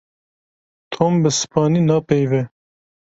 Tom bi Spanî napeyive.